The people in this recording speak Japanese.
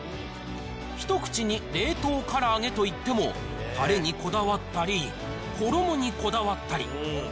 ひと口に冷凍から揚げといっても、たれにこだわったり、衣にこだわったり。